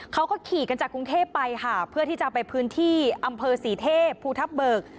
เขาก็ขี่กันจากกรุงเทพไปค่ะเพื่อที่จะไปพื้นที่อำเภอศรีเทพภูทับเบิก